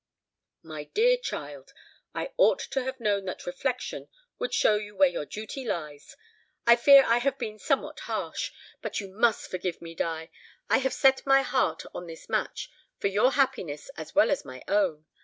My dear child, I ought to have known that reflection would show you where your duty lies. I fear I have been somewhat harsh, but you must forgive me, Di; I have set my heart on this match, for your happiness as well as my own.